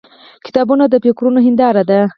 • کتابونه د فکرونو هنداره ده.